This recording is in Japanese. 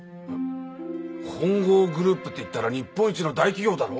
本郷グループっていったら日本一の大企業だろ？